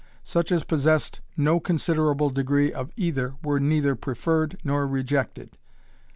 Such as possessed no considerable degree of either were neither preferred nor rejected.